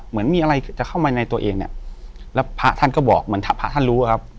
เหมือนมีอะไรจะเข้ามาในตัวเองเนี่ยแล้วพระท่านก็บอกเหมือนพระท่านรู้อะครับ